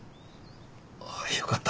ああよかった。